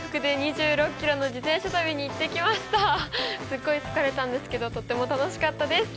すごい疲れたんですけどとっても楽しかったです！